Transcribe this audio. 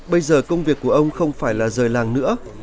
bây giờ công việc của ông không phải là rời làng nữa